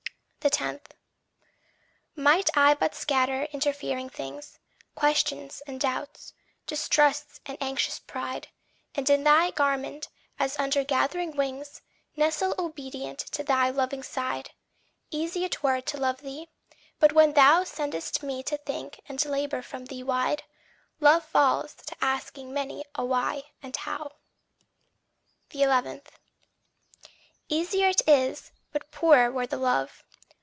10. Might I but scatter interfering things Questions and doubts, distrusts and anxious pride, And in thy garment, as under gathering wings, Nestle obedient to thy loving side, Easy it were to love thee. But when thou Send'st me to think and labour from thee wide, Love falls to asking many a why and how. 11. Easier it were, but poorer were the love.